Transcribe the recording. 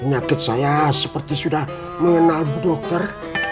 penyakit saya seperti sudah mengenal bu dokter